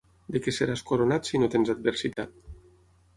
De què seràs coronat si no tens adversitat?